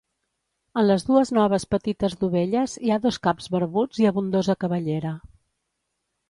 En les dues noves petites dovelles hi ha dos caps barbuts i abundosa cabellera.